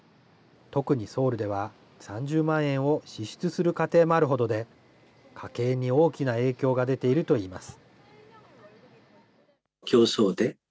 特にソウルでは３０万円を支出する家庭もあるほどで、家計に大きな影響が出ているといいます。